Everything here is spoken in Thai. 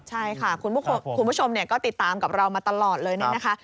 ใช่ค่ะคุณผู้ชมก็ติดตามกับเรามาตลอดเลยเนี่ยนะคะ